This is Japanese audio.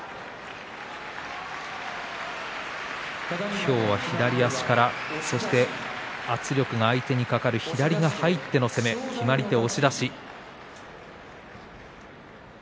今日は左足からそして圧力が相手にかかる左が入っての攻め決まり手は押し出し。